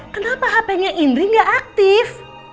kenapa hp nya indri gak aktif